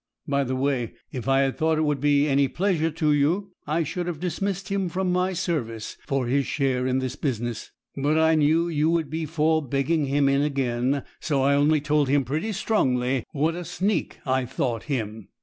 By the way, if I had thought it would be any pleasure to you, I should have dismissed him from my service for his share in this business; but I knew you would be for begging him in again, so I only told him pretty strongly what a sneak I thought him.'